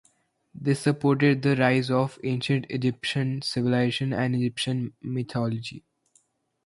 This supported the rise of ancient Egyptian civilization and Egyptian Mythology.